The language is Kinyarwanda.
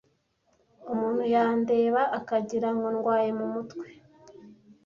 umuntu yandeba akagirango ndwaye mu mutwe